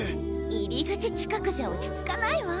入り口近くじゃ落ち着かないわ。